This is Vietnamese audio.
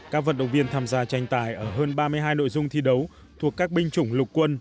các vận động viên tham gia tranh tài ở hơn ba mươi hai nội dung thi đấu thuộc các binh chủng lục quân